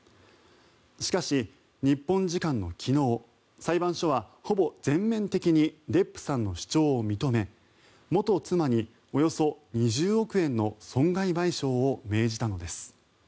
しかし、日本時間の昨日裁判所はほぼ全面的にデップさんの主張を認め元妻におよそ２０億円の損害賠償を命じたのです。